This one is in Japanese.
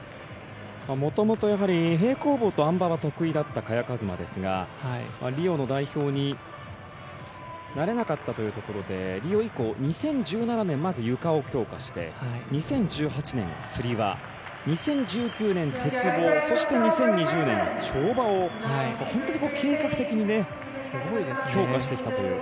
元々、平行棒とあん馬は得意だった萱和磨ですがリオの代表になれなかったというところでリオ以降、２０１７年まず、ゆかを強化して２０１８年はつり輪２０１９年、鉄棒そして、２０２０年に跳馬を本当に計画的に強化してきたという。